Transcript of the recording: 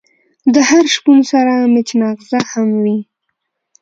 د هر شپون سره مچناغزه هم وی.